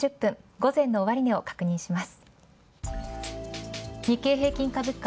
午前の終値を確認します。